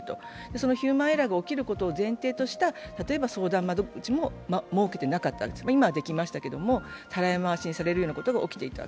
そのヒューマンエラーが起きることを前提とした例えば相談窓口ができていなかった今はできましたけど、たらい回しにされるようなことが起きていた。